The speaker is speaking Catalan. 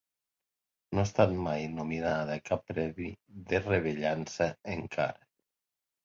No ha estat mai nominada a cap premi de rellevància encara.